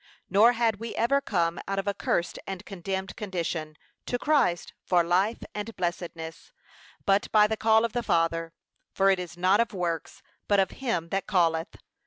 Nor had we ever come out of a cursed and condemned condition, to Christ, for life and blessedness, but by the call of the Father; 'For it is not of works, but of him that calleth.'